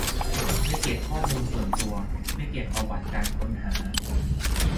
ไม่เก็บข้อมูลส่วนตัว ไม่เก็บประวัติการค้นหา